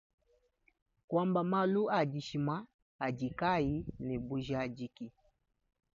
Kuamba malu adishima adi kaayi ne bujadiki.